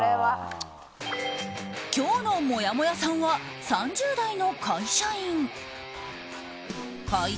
今日のもやもやさんは３０代の会社員。